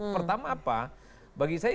pertama apa bagi saya